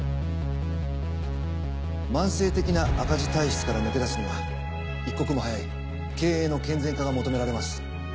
慢性的な赤字体質から抜け出すには一刻も早い経営の健全化が求められます。